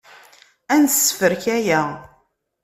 Ad nessefrek aya.